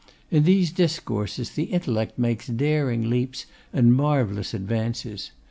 In these discourses the intellect makes daring leaps and marvellous advances.